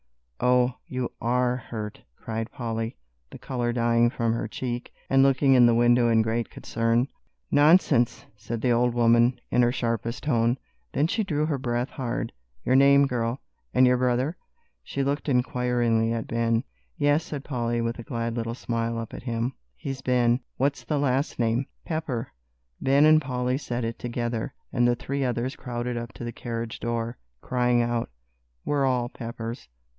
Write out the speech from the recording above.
"Oh, you are hurt!" cried Polly, the color dying from her cheek, and looking in the window in great concern. "Nonsense!" said the old woman, in her sharpest tone. Then she drew her breath hard. "Your name, girl, and your brother?" She looked inquiringly at Ben. "Yes," said Polly, with a glad little smile up at him; "he's Ben." "What's the last name?" "Pepper." Ben and Polly said it together, and the three others crowded up to the carriage door, crying out, "We're all Peppers."